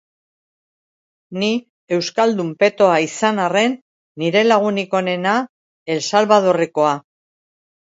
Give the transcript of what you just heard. Ni euskaldun petoa izan arren, nire lagunik onena El Salvadorrekoa.